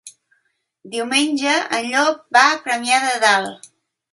Diumenge en Llop va a Premià de Dalt.